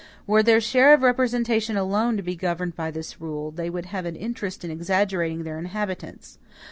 Were their share of representation alone to be governed by this rule, they would have an interest in exaggerating their inhabitants.